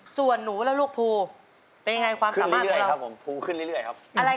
ส่วนหนูแล้วลูกภูเป็นไงครับดวงความสามารถ